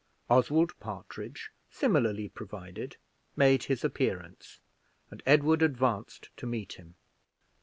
Oswald Partridge, similarly provided, made his appearance, and Edward advanced to meet him.